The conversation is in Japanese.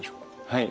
はい。